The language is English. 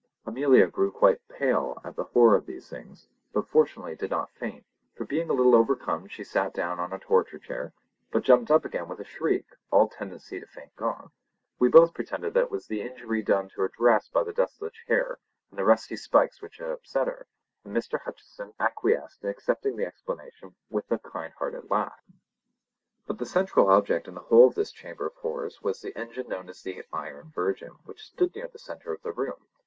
Amelia grew quite pale with the horror of the things, but fortunately did not faint, for being a little overcome she sat down on a torture chair, but jumped up again with a shriek, all tendency to faint gone. We both pretended that it was the injury done to her dress by the dust of the chair, and the rusty spikes which had upset her, and Mr. Hutcheson acquiesced in accepting the explanation with a kind hearted laugh. But the central object in the whole of this chamber of horrors was the engine known as the Iron Virgin, which stood near the centre of the room.